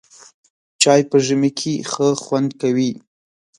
چای په ژمي کې ښه خوند کوي.